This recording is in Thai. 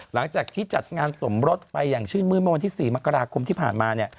หลังจากที่จัดงานสมรสไปอย่างชื่นมื้นเมื่อวันที่๔มกราคมที่ผ่านมาเนี่ย